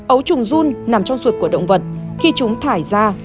ấu trùng run nằm trong ruột của động vật khi chúng thải ra